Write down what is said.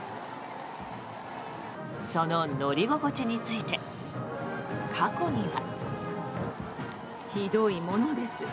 その乗り心地について過去には。